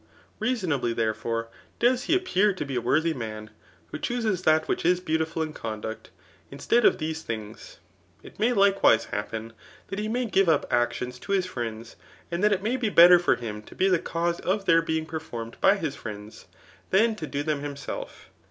Reasonably, there fore, does he appear to be a worthy man, who chooses diat which is besoitiful in conduct instead of these things. It may likewise happen, that he may give up acdons to bis fr^nd, and that it may be better for him to be the cause of their being performed by his friend, than to do them himself.